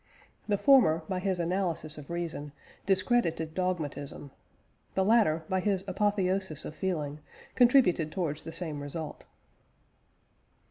The former, by his analysis of reason, discredited dogmatism: the latter, by his apotheosis of feeling, contributed towards the same result.